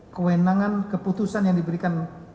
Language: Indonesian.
kewenangan keputusan yang diberikan